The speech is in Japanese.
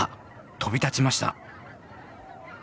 飛び立ちました！